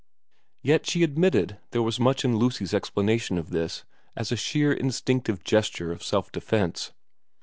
Yet she admitted there was much in Lucy's explanation of this as a sheer instinctive gesture of self defence.